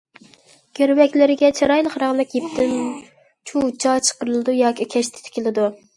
گىرۋەكلىرىگە چىرايلىق رەڭلىك يىپتىن چۇچا چىقىرىلىدۇ ياكى كەشتە تىكىلىدۇ.